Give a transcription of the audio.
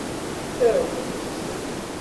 Awi-t.